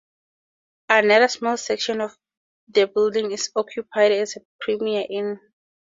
Another small section of the building is occupied as a Premier Inn.